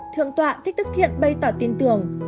thượng tọa thích đức thiện bày tỏ tin tưởng